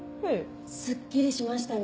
すっきりしましたね。